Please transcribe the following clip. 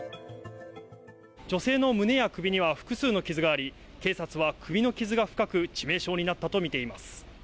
女性の胸や首には複数の傷があり、警察は首の傷が深く、致命傷になったと見ています。